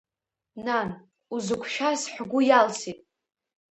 Нан, узықәшәаз ҳгәы иалсит!